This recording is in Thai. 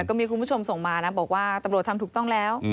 ก็มีคุณผู้ชมส่งมานะบอกว่าตำรวจทำถูกต้องแล้ว